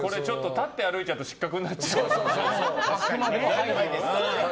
立って歩いちゃうと失格になるので。